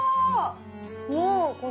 もうこの。